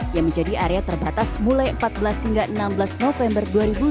yang menjadi area terbatas mulai empat belas hingga enam belas november dua ribu dua puluh